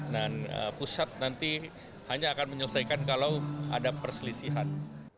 dan pusat nanti hanya akan menyelesaikan kalau ada perselisihan